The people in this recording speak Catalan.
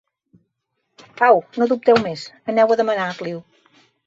Au, no dubteu més: aneu a demanar-li-ho!